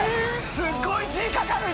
すっごいＧかかるって！